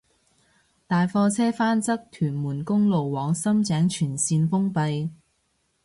大貨車翻側屯門公路往深井全綫封閉